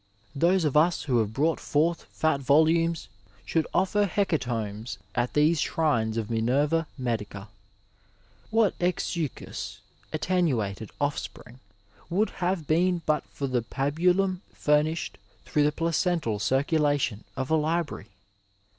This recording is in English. Those of us who have brought forth fat volumes should offer hecatombs at these shrines of Minerva Medica. What ezsuccous, attenuated oflEspring they would have been but for the pabulum furnished through the placental circulation of a library.